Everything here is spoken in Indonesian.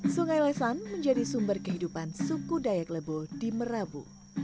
sungai lesan menjadi sumber kehidupan suku dayak lebo di merabu